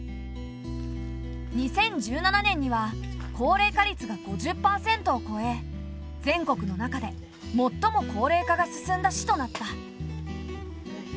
２０１７年には高齢化率が５０％を超え全国の中でもっとも高齢化が進んだ市となった。